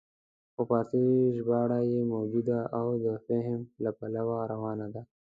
خو فارسي ژباړه یې موجوده او د فهم له پلوه روانه ده.